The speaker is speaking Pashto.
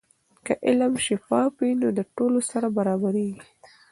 که علم شفاف وي، د ټولو سره برابریږي.